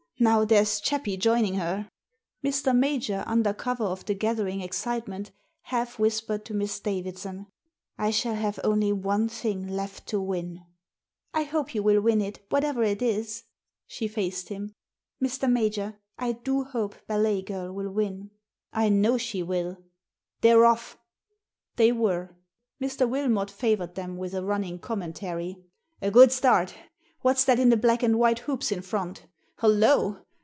Now there's Chappie joining her!" Mr. Major, under cover of the gathering excite ment, half whispered to Miss Davidson —" I shall have only one thing left to win." Digitized by VjOOQIC 148 THE SEEN AND THE UNSEEN I hope you will win it, whatever it is." She faced him. " Mr. Major, I do hope Ballet Girl will win." I know she will." « They're off!" They were. Mr. Wilmot favoured them with a running commentary. "A good start I Whafs that in the black and white hoops in front? Hollo!